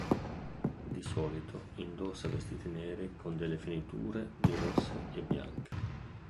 Di solito, indossa vestiti neri con delle finiture di rosse e bianche.